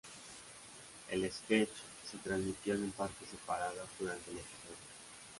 El sketch se transmitió en partes separadas durante el episodio.